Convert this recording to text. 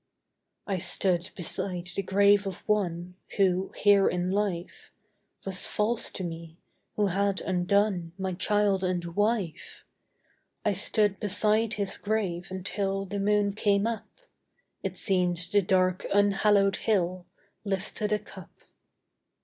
I stood beside the grave of one Who, here in life, Was false to me; who had undone My child and wife: I stood beside his grave until The moon came up It seemed the dark, unhallowed hill Lifted a cup.